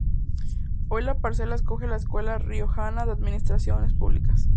Hoy la parcela acoge a la Escuela Riojana de Administraciones Públicas.